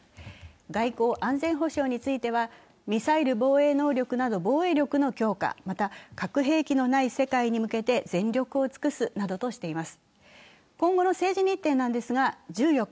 外交・安全保障についてはミサイル防衛能力など防衛力の強化、また核兵器のない世界に向けて全力を尽くすなどとしています。